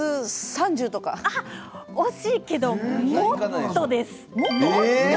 惜しいけど、もっとです。